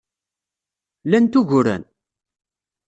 Lant uguren?